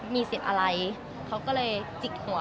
มีเสร็จอะไรเขาก็เลยจิกหัว